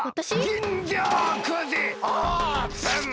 ジンジャーくじオープン！